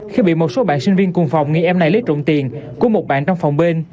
khi bị một số bạn sinh viên cùng phòng nghĩ em này lấy trộm tiền của một bạn trong phòng bên